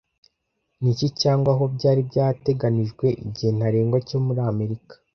Niki cyangwa aho byari byateganijwe igihe ntarengwa cyo muri Amerika